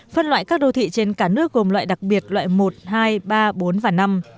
phân loại các đô thị trên cả nước gồm loại đặc biệt loại một hai ba bốn và năm